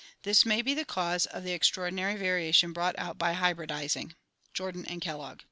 This may be the cause of the extraordinary variation brought out by hybridizing (Jordan and Kellogg).